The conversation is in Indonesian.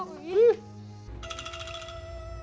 sakit ah wih